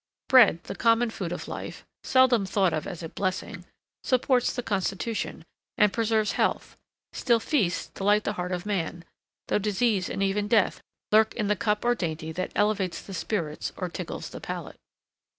Bread, the common food of life, seldom thought of as a blessing, supports the constitution, and preserves health; still feasts delight the heart of man, though disease and even death lurk in the cup or dainty that elevates the spirits or tickles the palate.